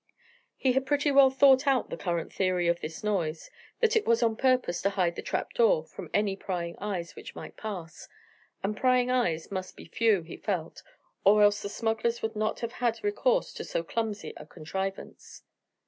He had pretty well thought out the correct theory of this noise, that it was on purpose to hide the trap door from any prying eyes which might pass, and prying eyes must be few, he felt, or else the smugglers would not have had recourse to so clumsy a contrivance.